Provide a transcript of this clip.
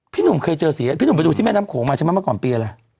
หนุ่มเคยเจอสีพี่หนุ่มไปดูที่แม่น้ำโขงมาใช่ไหมเมื่อก่อนปีอะไร